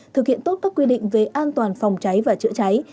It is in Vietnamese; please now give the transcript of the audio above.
thực hiện tốt các quy định về an toàn phòng trái và trữ trái